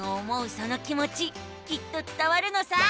その気もちきっとつたわるのさ。